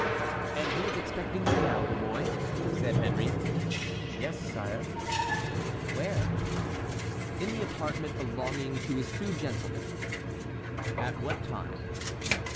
"And he is expecting you now, De Mouy?" said Henry. "Yes, sire." "Where?" "In the apartment belonging to his two gentlemen." "At what time?"